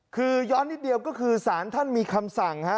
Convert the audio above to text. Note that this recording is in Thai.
คือย้อนนิดเดียวก็คือสารท่านมีคำสั่งฮะ